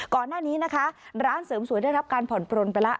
ก่อนหน้านี้นะคะร้านเสริมสวยได้รับการผ่อนปลนไปแล้ว